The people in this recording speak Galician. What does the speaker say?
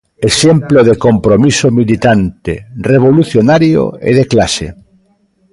Exemplo de compromiso militante, revolucionario e de clase.